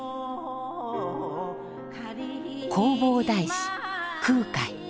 弘法大師・空海。